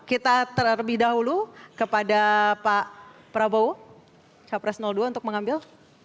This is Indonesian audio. kita terlebih dahulu kepada pak prabowo capres dua untuk mengambil